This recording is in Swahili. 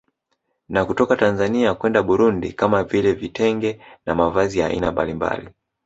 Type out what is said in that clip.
Na kutoka Tanzania kwenda Burundi kama vile Vitenge na mavazi ya aina mbalimbali